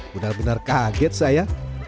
benar benar kaget saya